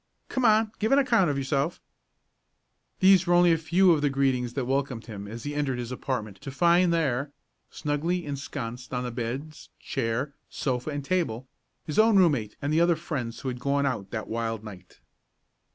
"Come on; give an account of yourself." These were only a few of the greetings that welcomed him as he entered his apartment to find there, snugly ensconced on the beds, chair, sofa and table, his own room mate and the other friends who had gone out that wild night.